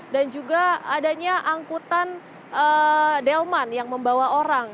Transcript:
dan juga adanya angkutan delman yang membawa orang